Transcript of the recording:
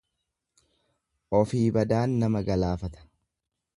Ofii badaan nama galaafata.